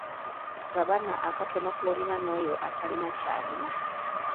Gabana akatono k'olina n'oyo atalina ky'alina.